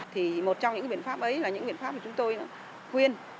thì một trong những biện pháp ấy là những biện pháp mà chúng tôi khuyên